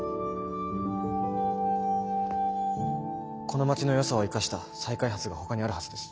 この街のよさを生かした再開発がほかにあるはずです。